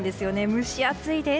蒸し暑いです。